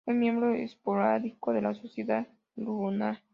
Fue miembro esporádico de la Sociedad Lunar.